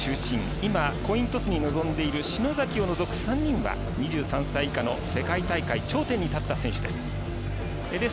今、コイントスに臨んでいる篠崎を除く３人は２３歳以下の世界大会頂点に立った選手です。